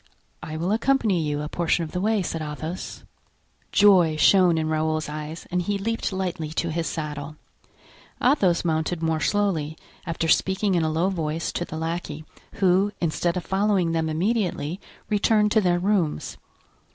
"I will accompany you a portion of the way," said Athos. Joy shone in Raoul's eyes and he leaped lightly to his saddle. Athos mounted more slowly, after speaking in a low voice to the lackey, who, instead of following them immediately, returned to their rooms.